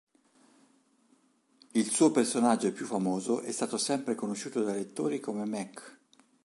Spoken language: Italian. Il suo personaggio più famoso è stato sempre conosciuto dai lettori come Mac.